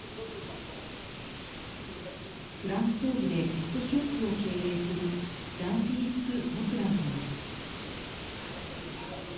フランス東部でペットショップを経営するジャンフィリップ・モクランさんです。